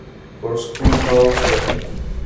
For Schoolhouse Rock!